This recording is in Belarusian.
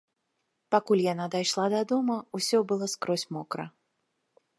Пакуль яна дайшла да дома, усё было скрозь мокра.